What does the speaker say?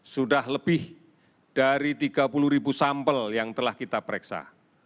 sudah lebih dari tiga puluh ribu sampel yang telah kita pereksa